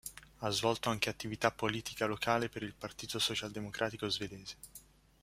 Ha svolto anche attività politica locale per il Partito Socialdemocratico Svedese.